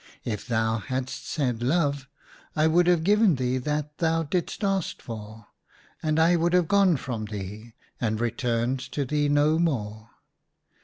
If thou hadst said, ' Love,' I would have given thee that thou didst ask for ; and I would have gone from thee, and returned to thee no more.